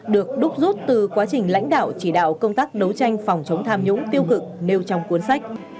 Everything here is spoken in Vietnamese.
được đúc rút từ quá trình lãnh đạo chỉ đạo công tác đấu tranh phòng chống tham nhũng tiêu cực nêu trong cuốn sách